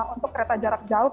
untuk kereta jarak jauh